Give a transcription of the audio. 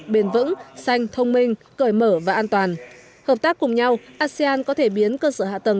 bền vững xanh thông minh cởi mở và an toàn hợp tác cùng nhau asean có thể biến cơ sở hạ tầng